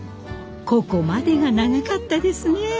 ここまでが長かったですね。